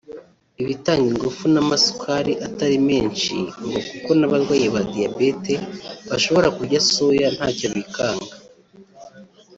ibitanga ingufu n’amasukari atari menshi ngo kuko n’abarwayi ba diabete bashobora kurya soya ntacyo bikanga